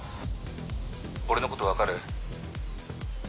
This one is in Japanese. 俺のこと分かる？